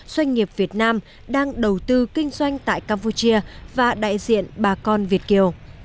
doanh nghiệp việt nam đang đầu tư kinh doanh tại campuchia và đại diện bà con việt kiều